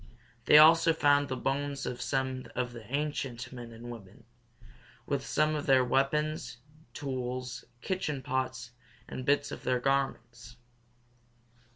They also found the bones of some of the ancient men and women, with some of their weapons, tools, kitchen pots, and bits of their garments.